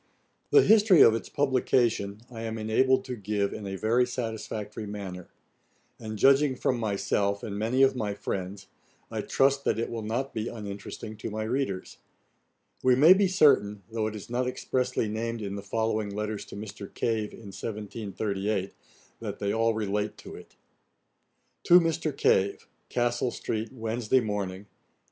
The history of its publication I am enabled to give in a very satisfactory manner; and judging from myself, and many of my friends, I trust that it will not be uninteresting to my readers. [Page 121: Johnson's letters to Cave. Ætat 29.] We may be certain, though it is not expressly named in the following letters to Mr. Cave, in 1738, that they all relate to it: 'To MR. CAVE. 'Castle street, Wednesday Morning.